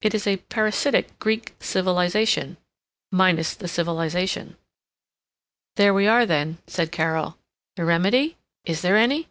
It is a "parasitic Greek civilization" minus the civilization. "There we are then," said Carol. "The remedy? Is there any?